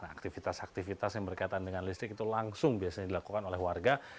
aktivitas aktivitas yang berkaitan dengan listrik itu langsung biasanya dilakukan oleh warga